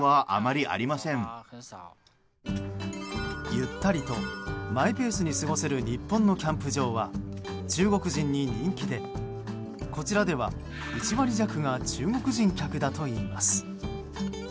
ゆったりとマイペースに過ごせる日本のキャンプ場は中国人に人気でこちらでは１割弱が中国人客だといいます。